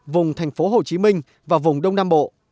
vùng tp hcm và vùng đông nam bộ